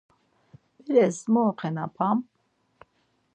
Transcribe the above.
Beres mu oxenapam?